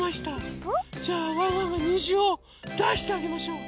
じゃあワンワンがにじをだしてあげましょう。